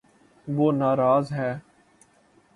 وہ ناراض ہے